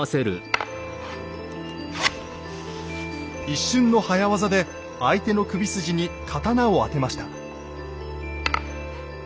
一瞬の早業で相手の首筋に刀を当てました。